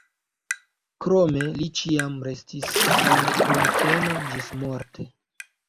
Krome li ĉiam restis en Munkeno ĝismorte.